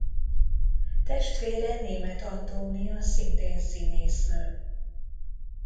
Testvére Németh Antónia szintén színésznő.